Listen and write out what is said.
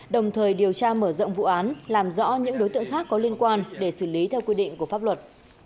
đồng thời điều tra mở rộng vụ án làm rõ những đối tượng khác có liên quan để xử lý theo quy định của pháp luật